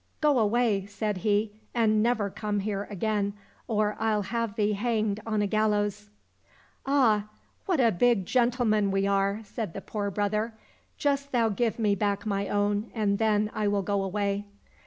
*' Go away," said he, '' and never come back here again, or I'll have thee hanged on a gallows !"—" Ah ! what a big gentleman we are !" said the poor brother ;" just thou give me back my own, and then I will go away."